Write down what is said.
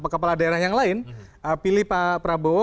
kepala daerah yang lain pilih pak prabowo